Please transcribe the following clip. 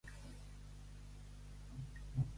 —Pel pa et voldria. —Jo per la coca et deixaria.